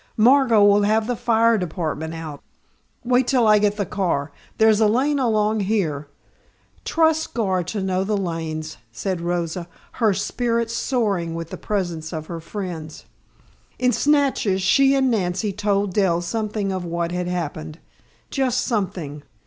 Margot will have the fire department out " "Wait till I get the car. There's a lane along here " "Trust Gar to know the lanes," said Rosa, her spirits soaring with the presence of her friends. In snatches she and Nancy told Dell something of what had happened just something.